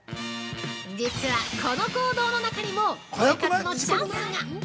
◆実は、この行動の中にもポイ活のチャンスが！